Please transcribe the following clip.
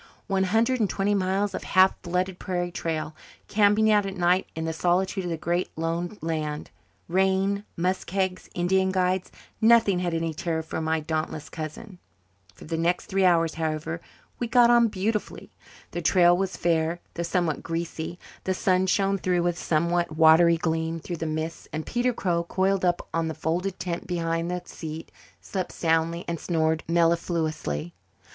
One hundred and twenty miles of half flooded prairie trail camping out at night in the solitude of the Great Lone Land rain muskegs Indian guides nothing had any terror for my dauntless cousin. For the next three hours, however, we got on beautifully. The trail was fair, though somewhat greasy; the sun shone, though with a somewhat watery gleam, through the mists; and Peter Crow, coiled up on the folded tent behind the seat, slept soundly and snored mellifluously.